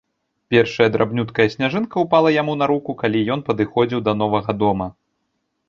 Першая драбнюткая сняжынка ўпала яму на руку, калі ён падыходзіў да новага дома.